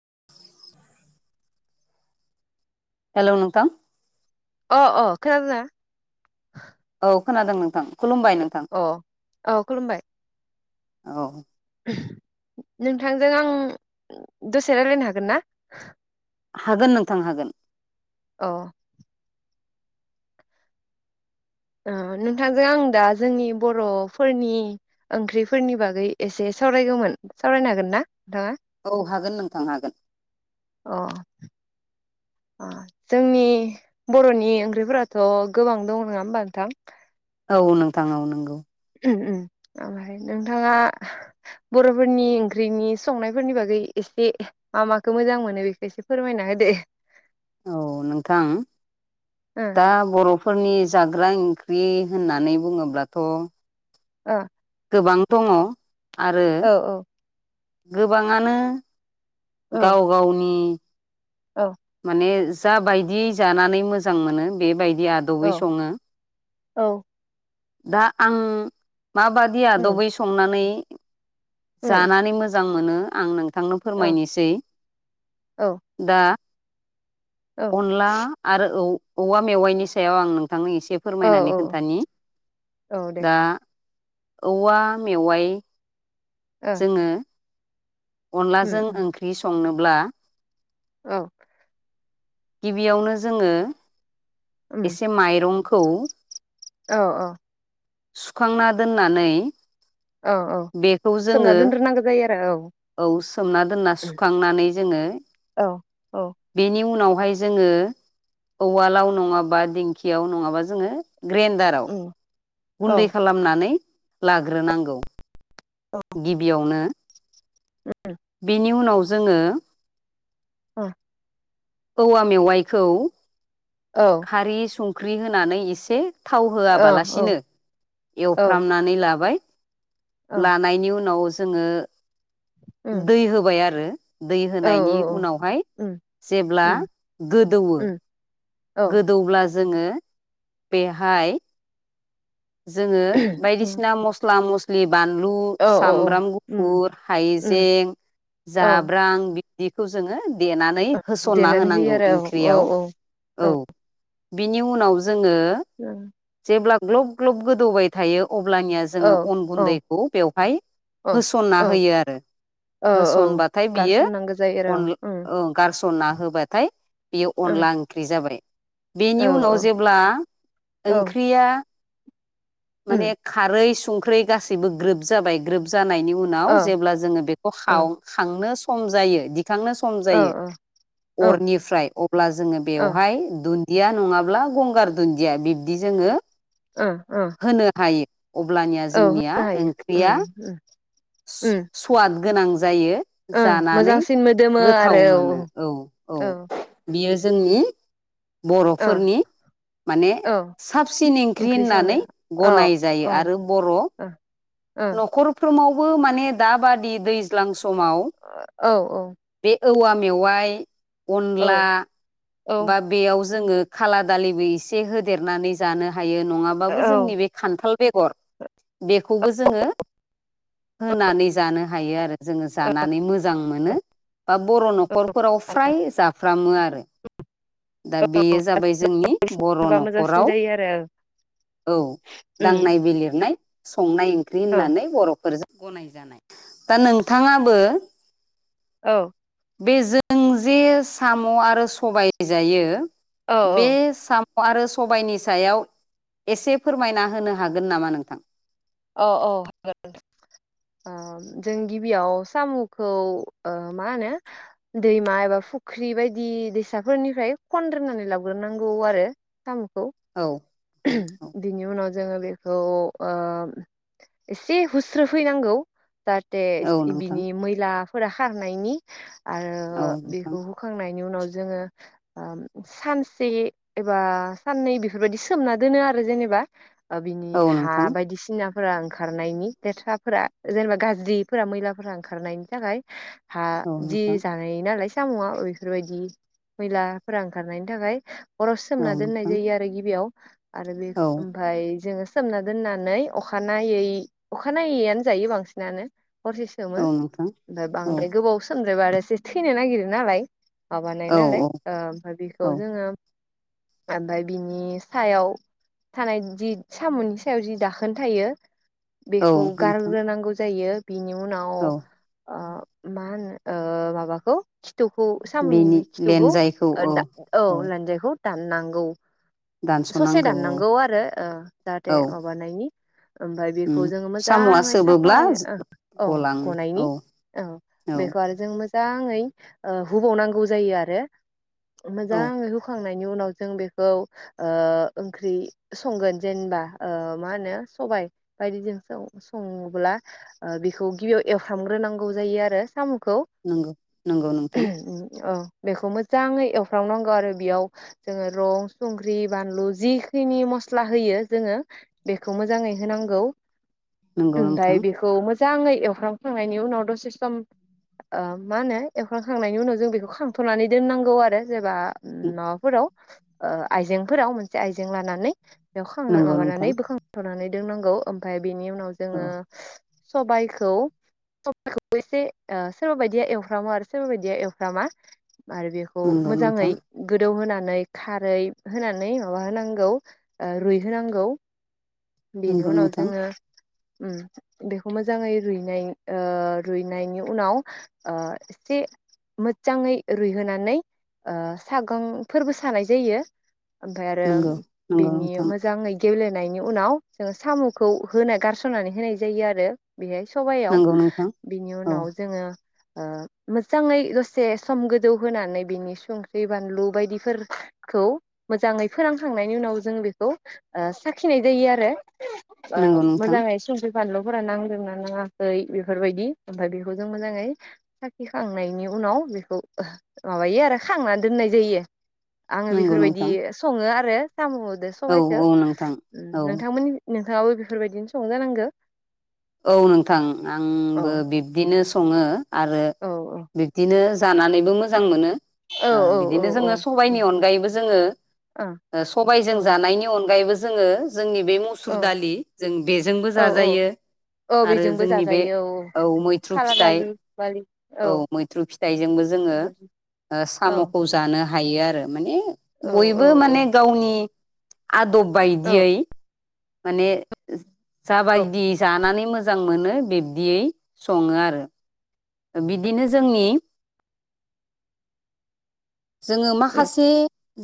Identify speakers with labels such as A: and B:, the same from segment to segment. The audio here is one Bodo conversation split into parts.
A: [inaudible] हेल' नोंथां
B: अ -अ खोनादों ना?
A: ओ खोनादों नोंथां। खुलुमबाय नोंथां
B: अ औ खुलुमबाय।
A: औ
B: नोंथांजों आं दसे राय्लायनो हागोन ना?
A: हागोन नोंथां हागोन।
B: औ ओ नोंथांजों आं दा जोंनि बर'फोरनि ओंख्रिफोरनि बागै एसे सावरायगौमोन सावरायनो हागोन ना नोंथाङा।
A: औ हागोन नोंथां हागोन।
B: अ जोंनि बर'नि ओंख्रिफोराथ' गोबां दं नङा होमबा नोंथां
A: औ नोंथां औ नंगौ।
B: उम -उम। ओमफाय नोंथाङा बर'फोरनि ओंख्रिनि संनायफोरनि बागै एसे मा -माखौ मोजां मोनो बेखौ एसे फोरमायना होदो।
A: औ नोंथां दा बर'फोरनि जाग्राओं बि होननानै बुङोब्लाथ'
B: ओ
A: गोबां दङ आरो।
B: ओ ओ
A: गोबाङानो
B: औ
A: गाव-गावनि
B: औ
A: माने जा बायदियै जानानै मोजां मोनो बेबायदि जि
B: औ
A: आदबै सङो
B: औ
A: दा आं माबादि
B: उम
A: आदबै संनानै
B: उम
A: जानानै मोजां मोनो आं नों थांनो
B: औ
A: फोरमायनोसै
B: औ
A: दा
B: औ
A: अनला आरो औवा मेवाइनि सायाव आं नों बिथांनो एसे
B: औ
A: फोरमायनानै खोन्थानि
B: औ दे
A: दा औवा मेवाय
B: ओ
A: जोङो
B: उम
A: अनलाजों
B: उम
A: ओंख्रि संनोब्ला
B: औ।
A: गिबियावनो जोङो
B: उम
A: एसे माइरंखौ
B: औ -औ।
A: सुखांना दोननानै
B: औ -औ
A: बेखौ
B: सोमना
A: जोङो
B: दोनद्रोनांगौ जायो आरो औ।
A: औ सोमना दोनना
B: उम
A: सुखांनानै जोङो
B: औ औ
A: बेनि उनाव बेहाय जोङो उवालाव नङाबा दिंखियाव नङाबा जोङो ग्रेन्डाराव
B: उम औ
A: गुन्दै खालामनानै लाग्रोनांगौ।
B: औ
A: गिबियावनो बिनि उनाव जोङो
B: अह।
A: औवा मेवाइखौ
B: औ
A: खारि संख्रि होनानै एसे थाव
B: औ औ ओ
A: होआबालासिनो एवफ्रामनानै लाबाय। लानायनि उनाव जोङो
B: उम
A: दै होबाय आरो। दै
B: औ
A: होनायनि
B: औ
A: उनावहाय
B: उम
A: जेब्ला
B: उम
A: गोदौवो,
B: उम औ
A: गोदौब्ला जोङो बेहाय जोङो
B: उम
A: बायदिसिना मस्ला मस बानलु,
B: औ औ
A: सामब्राम
B: उम
A: गुफुर,
B: उम
A: हायजें,
B: औ
A: जाब्रां बि दिखौ जोङो देनानै होसनना
B: देनानै होयो
A: होनांगौ
B: आरो औ
A: इंख्रियाव
B: औ
A: औ। बिनि उनाव जोङो जेब्ला ग्लब ग्लब गोदौबाय थायो, अब्लानिया
B: औ
A: जोङो अन
B: औ
A: गुन्दैखौ बेवहाय
B: औ
A: होसनना होयो आरो।
B: औ औ
A: होसनबाथाय बियो
B: गारसननांगौ जायो आरो
A: अन
B: उम
A: ओं गारस'ना होबाथाय बेयो
B: ओ
A: अनला ओंख्रि जाबाय। बेनि
B: औ
A: उनाव
B: औ
A: जेब्ला
B: औ
A: ओंख्रिया
B: उम
A: माने खारै सुंख्रै गासैबो ग्रोब जाबाय ग्रोब जानायनि उनाव
B: ओ
A: जेब्ला जोङो बेखौ
B: ओं
A: खाव खांनो सम जायो खांनो सम
B: ओ
A: जायो
B: ओ ओ
A: अरनिफ्राय अब्ला जोङो
B: ओ
A: बेवहाय दुन दिया नङाब्ला गंगार दुन्दिया, बिब्दि जोङो
B: ओ ओ।
A: होनो हायो। अब्लानिया
B: औ
A: जोंनिया
B: होनो हायो उम
A: ओंख्रिया
B: उम उम
A: सु स्वाद गोनां जायो
B: ओं
A: जानानै
B: मोजांसिन मोदोमो आरो
A: गोथाव
B: औ
A: मोनो औ।
B: औ।
A: बियो जोंनि
B: औ
A: बर'फोरनि माने
B: औ
A: साबसिन इंख्रि
B: ओंख्रि संनो
A: होननानै
B: औ
A: गनाय जायो
B: औ ओ
A: आरो बर'
B: ओ औ
A: नख'रफ्रोमावबो माने दाबादि दै दैज्लां समाव
B: औ
A: बे औवा मेवाइ
B: औ
A: अनला
B: औ
A: बा बेयाव जोङो खाला दालिबो इसे होदेरनानै जानो हायो, नङाबाबो जों नैबे खान्थाल बेगर, बेखौबो जोङो होनानै जानो हायो आरो। जोङो जानानै मोजां मोनो।
B: औ
A: बा बर' नख'रफोराव फ्राय जाफ्रामो आरो। दा बेयो जाबाय जोंनि बर'
B: हाबा मोजांसिन
A: नख'राव
B: जायो आरो
A: औ
B: उम
A: दांनाय बिलिरनाय संनाय ओंख्रि
B: ओ
A: होननानै बर'फोरजों गनाय जानाय। दा नोंथाङाबो
B: औ।
A: बे जों जे साम' आरो सबाय जायो,
B: औ
A: बे सा म' आरो सबाइनि सायाव एसे फोरमायना होनो हागोन नामा नोंथां?
B: अह अह हागोन नोंथां। ओ जों गिबियाव सामुखौ ओ मा होनो दैमा एबा फुख्रि बायदि दैसाफोरनिफ्राय खनद्रोनानै लाबग्रोनांगौ आरो। सामुखौ।
A: औ
B: बिनि उनाव जोङो बेखौ ओ एसे हुस्रोफैनांगौ जाहाथे
A: नोंथां
B: बिनि मैला फोरा खारनायनि
A: औ नोंथां
B: आरो बेखौ हुखांनायनि उनाव जोङो ओ सानसे एबा साननै बिफोरबायदि सोमना दोनो आरो जेने बा ओ बिनि
A: औ
B: हा
A: नोंथां
B: बायदिसिना फोरा ओंखारनायनि, लेथ्राफोरा जेनेबा गाज्रिफोरा मैलाफोरा ओंखारनायनि थाखाय हा
A: औ नोंथां औ
B: जि
A: नोंथां औ
B: जानाय नालाय सामुुआ ओ इफोरबायदि मैलाफोरा ओंखारनायनि थाखाय। हराव सोमना दोननाय
A: नोंथां
B: जायो आरो गिबियाव आरो बे
A: औ
B: ओमफ्राय जोङो सोमना दोननानै अखानायै अखानायैआनो जायो बांसिनानो हरसे सोमो
A: नोंथां
B: ओमफाय
A: औ
B: बांद्राय गोबाव सोमद्रायबा आरो एसे थैनो नागिरो नालाय माबानाय
A: औ औ
B: नालाय ओमफाय
A: औ
B: बेखौ जोङो ओमफाय बिनि सायाव थानाय जि साम'नि सायाव जि दाख ओन थायो
A: औ
B: बेखौ
A: नोंथां
B: गारग्रोनांगौ जायो बिनि उनाव
A: औ
B: ओ मा होनो ओ माबाखौ थुखौ साम'नि
A: बेनि
B: बे खिथुखौ
A: लेनजायखौ
B: ओ
A: औ
B: दा औ लान्जायखौ दाननांगौ ससे
A: दानस'नांगौ औ
B: दाननांगौ आरो ओ जाहाथे
A: औ
B: माबानायनि ओमफाय
A: उम
B: बेखौ जोङो
A: साम'आ
B: मोजाङै
A: सोबोब्ला
B: साफायै ओ औ
A: गलाङो
B: गनायनि
A: औ
B: ओ
A: औ
B: बेखौ आरो जों मो जाङै ओ हुबावनांगौ जायो आरो
A: औ
B: मोजाङै हुखांनाय बेनि उनाव जों बेखौ ओ ओंख्रि संगोन जेनबा ओ मा होनो सबाइ बायदिजों सं संङोब्ला ओ बिखौ गिबियाव एवफ्रामग्रोनांगौ जायो आरो। साम'खौ
A: नंगौ नंगौ नोंथां
B: उम ओ औ। बेखौ मोजाङै एवफ्रामनांगौ आरो बेयाव जोङो रं संख्रि बानलु जिखिनि मस्ला होयो जोङो बेखौ मोजाङै होनांगौ
A: नंगौ
B: ओमफाय
A: नोंथां
B: बेखौ मो जाङै एवफ्रामखांनायनि उनाव दसे सम ओ मा होनो एवफ्रामखांनायनि उनाव जों बेखौ खांथ'नानै दोननांगौ आरो। जेनेबा उम माबाफोराव ओ आइजेंफोराव मोनसे आयजें लानानै बेयाव खांना
A: नंगौ नोंथां
B: माबानानै बोखांथनानै दोननांगौ ओमफाय बेनि उनाव
A: औ
B: जोङो सबाइखौ सबाइखौबो एसे ओ सोरबा बायदिया एवफ्रामो आरो सोरबा बायदिया एवफ्रामा आरो बेखौ
A: नंगौ
B: मोजाङै
A: नोंथां
B: गोदौ होना नै खारै होनानै माबा होनांगौ ओ रुइहो नांगौ बेनि
A: नंगौ
B: उनाव
A: नोंथां
B: जोङो उम बेखौ मोजाङै रुइनाय ओ रुइनायनि उनाव ओ एसे मोजांङै रुइहोनानै ओ सागं फोरबो सानाय जायो। ओमफाय आरो
A: नंगौ नंगौ
B: बिनि
A: नोंथां
B: मोजाङै गेेब्ले होनायनि उनाव जोङो साम'खौ होना गारसननानै होनाय जायो आरो। बिहाय सबाइआव
A: नंगौ नोंथां
B: बिनि
A: औ
B: उनाव जोङो ओ मोजाङै दसे सम गोदौ होनानै बिनि संख्रि बानलु बायदिफोर खौ मोजाङै फोरानखांनायनि उनाव जों बेखौ ओ साखिनाय जायो आरो ओ
A: नंगौ नोंथां
B: मोजाङै संख्रि बानलुफोरा नांदोंना नाङाखै बेफोरबायदि ओमफाय बेखौ जों मोजाङै साखिखांनायनि उनाव बेखौ ओह माबायो आरो खांना दोननाय जायो। आङो
A: नंगौ
B: बेफोरबायदि
A: नोंथां
B: सङो आरो साम'दो
A: औ
B: सबायखो।
A: औ नोंथां औ
B: नोंथांमोननि नोंथाङाबो बेफोरबायदिनो संजानांगौ।
A: औ नोंथां आंबो बिब्दिनो संङो आरो
B: औ औ
A: बिब्दिनो जानानैबो मोजां मोनो
B: औ
A: ओ
B: औ औ
A: बिदिनो जोंङो
B: औ
A: सबायनि अनगायैबो जोंङो ओ सबायजों
B: औ
A: जानायनि अनगायैबो जोंङो जोंनि बे मुसुर
B: औ
A: दालि जों बेजोंबो जाजायो।
B: ओ
A: आरो
B: बेजोंबो
A: जोंनि बे
B: जाजायो औ औ
A: मैथ्रु
B: काला
A: फिथाइ
B: दालि दालि औ।
A: मैथ्रु फिथाइजोंबो जोङो
B: बेबादि
A: ओ साम'खौ जानो हायो आरो माने
B: औ औ
A: बयबो
B: औ
A: माने गावनि आदब
B: औ
A: बायदियै माने जाबायदि जानानै मोजां मोनो बिब्दियै संङो आरो। ओ बिदिनो जोंनि जोंङो
B: उम
A: माखासे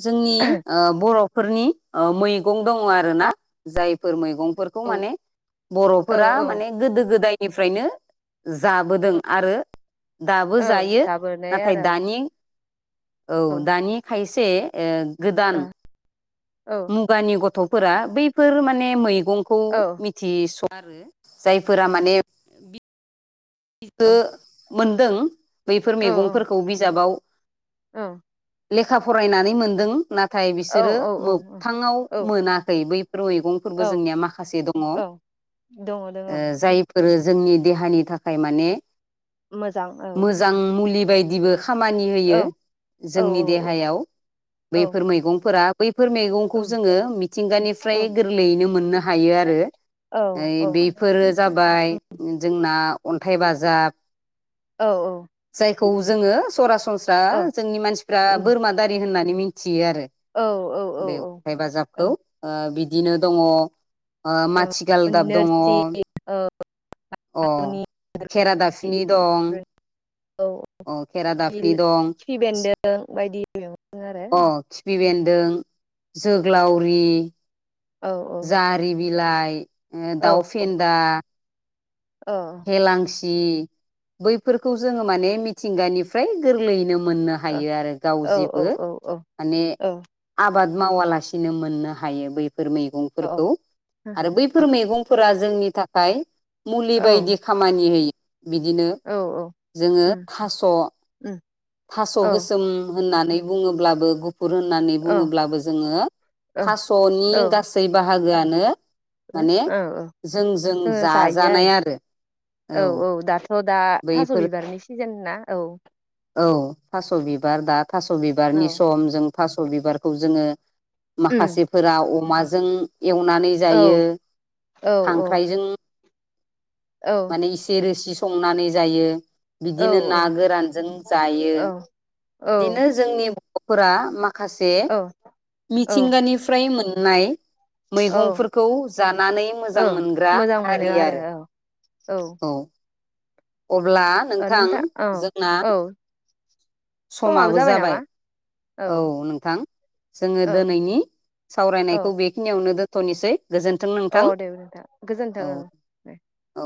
A: जोंनि ओ बर' फोरनि ओ मैगं दंङ आरोना जायफोर मैगं फोरखौ
B: औ
A: माने
B: औ
A: बर'फोरा
B: औ
A: माने गोदो गोदायनिफ्रायनो जाबोदों। आरो दाबो
B: औ
A: जायो
B: जाबोनाय
A: नाथाय
B: आरो
A: दानि औ दानि खायसे ओ गोदान
B: औ औ
A: मुगानि गथ' फोरा बैफोर माने मैइगंखौ
B: औ
A: मिथिस आरो जायफोरा माने बिखो
B: औ
A: मोनदों बैफोर मेगंफोरखौ बिजाबाव
B: ओ।
A: लेखा फरायनानै मोन्दों नाथाय बिसोरो मोगथाङाव
B: औ
A: मोनाखै बै मैगंफोरबो
B: औ
A: जोंनिया माखासे दङ' ओ
B: औ दङ दङ
A: जायफोरो जोंनि देहानि थाखाय माने
B: मोजां औ
A: मोजां मुलि बायदिबो खामानि
B: औ
A: होयो
B: औ
A: जोंनि
B: औ औ
A: देहायाव
B: औ
A: बैफोर मैगंफोरा बैफोर मैगंखौ
B: उम
A: जोङो
B: औ औ
A: मिथिंगानिफ्राय गोरलैयैनो मोननो हायो आरो। ओ
B: औ
A: बेफोरो जाबाय जोंना अन्थाइ बाजाब
B: औ औ।
A: खौ जोङो सरासनस्रा जोंनि मानसिफ्रा
B: उम
A: बोरमा दारि होननानै मिन्थियो थियो आरो
B: औ औ औ
A: बे
B: औ
A: अन्थाय
B: औ
A: बाजाबखौ ओ बिदिनो दङ' ओ
B: औ
A: माथिगालदाब दङ'
B: नोरसिं
A: अ
B: उनि
A: खेरादाफिनि दं
B: औ।
A: अ
B: बे
A: खेरादाफिनि दं
B: खिफिबेन्दों बायदि मेगं आरो
A: अ खिफि बेन्दों जोग्लावरि
B: औ औ
A: जारि बिलाइ ओ दाउ फेन्दा
B: औ
A: हेलांसि बैफोरखौ जोङो माने मिथिंगानिफ्राय गोरलैयैनो मोननो हायो आरो गाव
B: औ औ
A: जेबो
B: औ औ
A: माने आब बाद मावालासेनो मोननो हायो बैफोर
B: औ
A: मैगंफोरखौ आरो बैफोर मैगं फोरा जोंनि थाखाय मुलि बायदि
B: औ
A: खामानि होयो। बिदिनो
B: औ औ
A: जोङो
B: उम
A: थास'
B: उम
A: थास'
B: औ
A: गोसोम होननानै बुङोब्लाबो गु बुन होननानै
B: औ
A: बुङोब्लाबो जोङो
B: औ
A: थास'नि
B: औ
A: गासै बाहागोआनो माने
B: औ
A: जों जों
B: जोङो जायो
A: जाजानाय आरो।
B: औ औ दाथ' दा थास'
A: बैफोर
B: बिबारनि सिजोन ना औ।
A: औ थास' बिबार दा थास' बिबारनि
B: औ
A: सम जों थास' बिबारखौ जोङो
B: उम
A: माखासेफोरा अमाजों एवनानै
B: औ
A: जायो
B: औ औ
A: खांख्राइजों
B: औ
A: माने इसे रोसि संनानै जायो
B: औ
A: बिदिनो ना गोरानजों जायो
B: औ
A: इदिनो जोंनि बर'फोरा माखा खासे
B: औ
A: मिथिंगानिफ्राय मोननाय
B: औ
A: मैगंफोरखौ जानानै
B: औ
A: मोजां मोनग्रा
B: मोजां मोनो
A: हारि आरो।
B: औ।
A: अब्ला
B: औ
A: नोंथां
B: औ
A: जोंना
B: औ
A: समाबो जाबाय। औ नोंथां जोङो
B: औ
A: दिनैनि
B: औ
A: सावरायनायखौ बेखिनियावनो दोन थनोसै। गोजोन्थों
B: औ
A: नोंथां
B: दे नोंथां गोजोन्थों
A: औ
B: ओं दे
A: औ।